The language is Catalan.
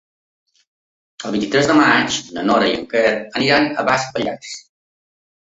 El vint-i-tres de maig na Nora i en Quer aniran a Baix Pallars.